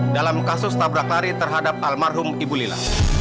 dalam kasus tabrak lari terhadap almarhum ibu lila